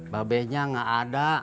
babenya gak ada